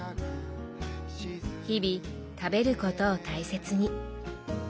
日々食べることを大切に。